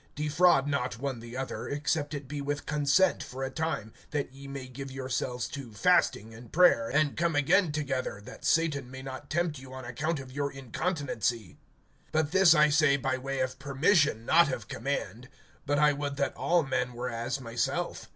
(5)Defraud not one the other, except it be with consent for a time, that ye may give yourselves to fasting and prayer, and come again together, that Satan may not tempt you on account of your incontinency. (6)But this I say by way of permission, not of command. (7)But I would that all men were as myself.